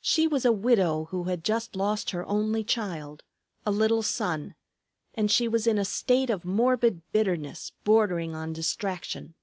She was a widow who had just lost her only child, a little son, and she was in a state of morbid bitterness bordering on distraction.